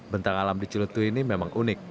bentang alam di ciletu ini memang unik